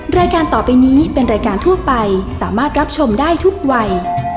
รายการต่อไปนี้เป็นรายการทั่วไปสามารถรับชมได้ทุกวัย